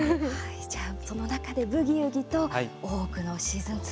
じゃあその中で「ブギウギ」と「大奥」のシーズン２